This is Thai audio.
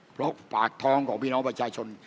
เพราะปากท้องของพี่น้องประชาชน